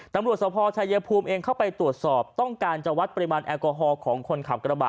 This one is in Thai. ตำรวจสภชายภูมิเองเข้าไปตรวจสอบต้องการจะวัดปริมาณแอลกอฮอล์ของคนขับกระบะ